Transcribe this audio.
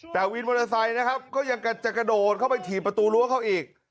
แต่วินมอเตอร์ไซค์นะครับก็ยังจะกระโดดเข้าไปถีบประตูรั้วเขาอีก